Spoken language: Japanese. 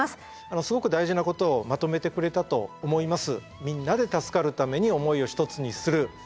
すごく大事なことをまとめてくれたと思います。